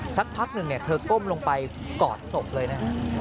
สักพักหนึ่งเธอก้มลงไปกอดศพเลยนะฮะ